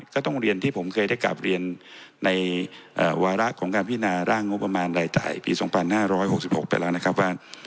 ก็ต้องเรียนที่ผมเคยได้กลับเรียนในวาระของการพินาร่างงบประมาณรายจ่ายปี๒๕๖๖ไปแล้วนะครับว่า